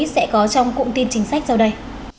sẽ có trong cụm tin chính sách sau đây